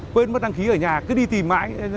quên mất đăng ký ở nhà cứ đi tìm mãi